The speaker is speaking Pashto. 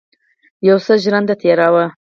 یو څه ژرنده تېره وه.